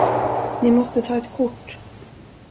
Ni måste ta ett kort.